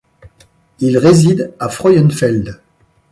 Il réside à Frauenfeld.